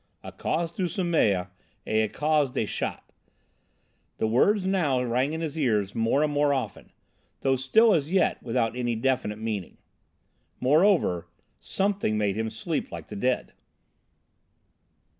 "—à cause du sommeil et à cause des chats"—the words now rang in his ears more and more often, though still as yet without any definite meaning. Moreover, something made him sleep like the dead.